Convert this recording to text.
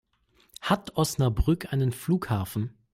Hat Osnabrück einen Flughafen?